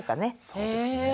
そうですね。